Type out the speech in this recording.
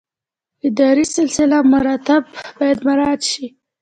اداري سلسله مراتب باید مراعات شي